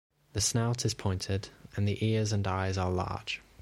The snout is pointed and the ears and eyes are large.